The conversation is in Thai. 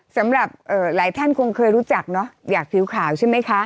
สำหรับหลายท่านคงเคยรู้จักเนอะอยากผิวขาวใช่ไหมคะ